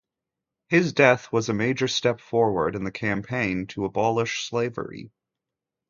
His death was a major step forward in the campaign to abolish slavery.